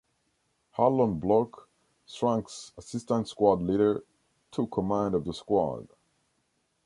Harlon Block, Strank's assistant squad leader, took command of the squad.